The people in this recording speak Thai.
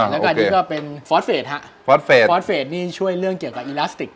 แล้วก็อันนี้ก็เป็นฟอสเฟสฮะฟอสเฟสฟอสเฟสนี่ช่วยเรื่องเกี่ยวกับอีลาสติก